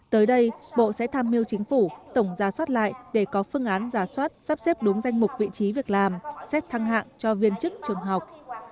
tới đây bộ sẽ tham mưu chính phủ tổng ra soát lại để có phương án giả soát sắp xếp đúng danh mục vị trí việc làm xét thăng hạng cho viên chức trường học